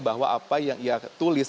bahwa apa yang ia tulis